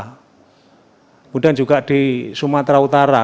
kemudian juga di sumatera utara